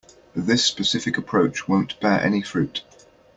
This specific approach won't bear any fruit.